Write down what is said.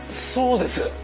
そうです！